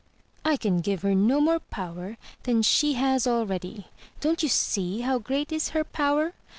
" I can give her no more power than she has already. Don't you see how great is her power?